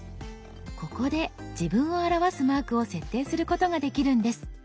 ここで自分を表すマークを設定することができるんです。